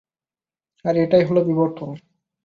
আর এটাই হলো বিবর্তন।